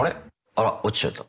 あらっ落ちちゃった。